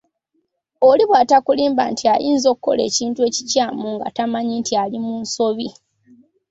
Oli bw’atakulimba nti ayinza okukola ekintu ekikyamu nga tamanyi nti ali mu nsobi.